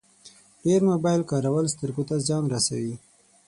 ډېر موبایل کارول سترګو ته زیان رسوي.